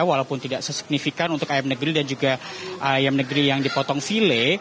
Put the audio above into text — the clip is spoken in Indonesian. walaupun tidak sesignifikan untuk ayam negeri dan juga ayam negeri yang dipotong file